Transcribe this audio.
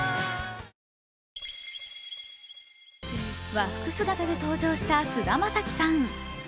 和服姿で登場した菅田将暉さん。